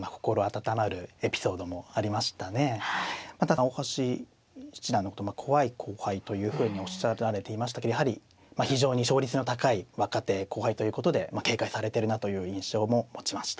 ただ大橋七段のことを怖い後輩というふうにおっしゃられていましたけれどやはり非常に勝率の高い若手後輩ということで警戒されてるなという印象も持ちました。